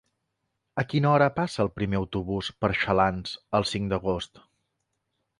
A quina hora passa el primer autobús per Xalans el cinc d'agost?